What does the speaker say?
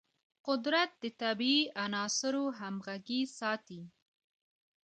قدرت د طبیعي عناصرو همغږي ساتي.